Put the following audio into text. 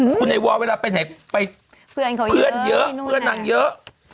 คุณไอวอลเวลาไปไหนไปเพื่อนเยอะเพื่อนนางเยอะ